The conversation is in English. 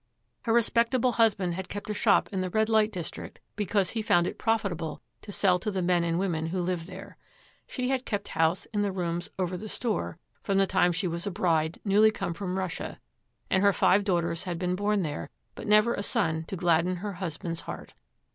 Her respectable husband had kept a shop in the Red Light district, because he found it profitable to sell to the men and women who lived there. She had kept house in the rooms 'over the store,' from the time she was a bride newly come from Russia, and her five daughters had been born there, but never a son to gladden her husband's heart.